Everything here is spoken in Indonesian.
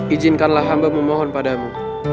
ijinkanlah hamba memohon padamu